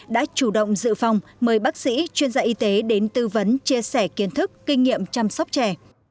đã chủ động dự phòng mời bác sĩ chuyên gia y tế đến tư vấn chia sẻ kiến thức kinh nghiệm chăm sóc trẻ